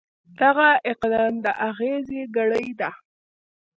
دغه اقدام د اغېزه کړې ده.